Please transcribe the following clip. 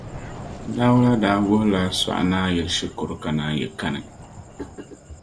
Dauda daa wuhila Sognaayili shikuru ka naanyi kani.